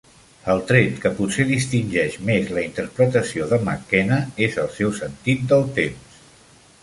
El tret que potser distingeix més la interpretació de McKenna és el seu sentit del temps.